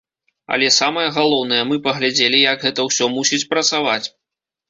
Але самае галоўнае, мы паглядзелі, як гэта ўсё мусіць працаваць.